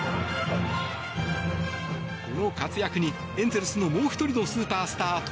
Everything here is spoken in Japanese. この活躍に、エンゼルスのもう１人のスーパースタート